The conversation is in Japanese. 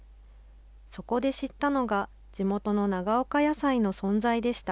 そこで知ったのが、地元の長岡野菜の存在でした。